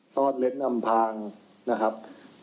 ซ่อนเล้นอำพางนะครับ